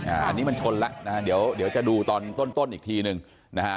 อันนี้มันชนแล้วนะเดี๋ยวจะดูต้นอีกทีนึงนะฮะ